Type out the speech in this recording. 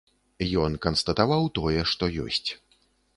Ён канстатаваў тое, што ёсць.